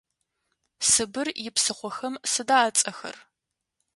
Сыбыр ипсыхъохэм сыда ацӏэхэр?